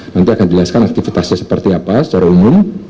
nanti akan dijelaskan aktivitasnya seperti apa secara umum